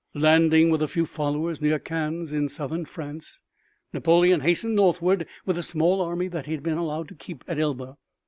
Landing with a few followers near Cannes in southern France, Napoleon hastened northward with the small army that he had been allowed to keep at Elba.